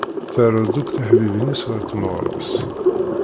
Teɛreḍ-d akk tiḥbibin-is ɣer tmeɣra-s.